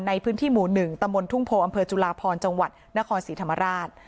ในพื้นที่หมู่๑ตำบลทุ่งโพอำเภอจุลาพรจังหวัดนครศรีธรรมราช